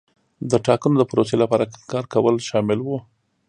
د ټاکنو د پروسې لپاره کار کول شامل وو.